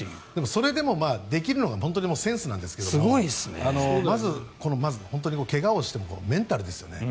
それでもできるのがセンスなんですけどまず、怪我をしてもメンタルですよね。